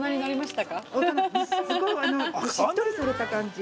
◆しっとりされた感じ。